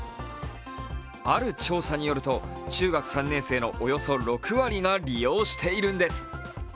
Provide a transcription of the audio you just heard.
ある調査によると中学３年生のおよそ６割が利用しているんです。